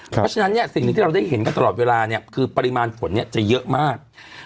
เพราะฉะนั้นสิ่งที่เราได้เห็นกันตลอดเวลาคือปริมาณฝนจะเยอะมาก